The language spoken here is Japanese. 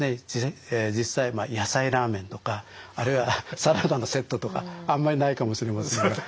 実際野菜ラーメンとかあるいはサラダのセットとかあんまりないかもしれませんが。